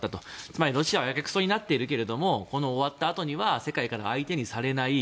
つまりロシアはやけくそになっているけどこの終わったあとには世界から相手にされない。